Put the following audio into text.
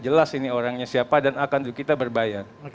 jelas ini orangnya siapa dan akan kita berbayar